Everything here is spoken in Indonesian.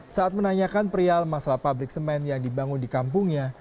saat menanyakan perial masalah pabrik semen yang dibangun di kampungnya